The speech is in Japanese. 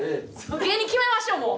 芸人決めましょうもう。